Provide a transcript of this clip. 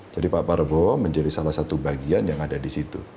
jadi pak prabowo menjadi salah satu bagian yang ada di situ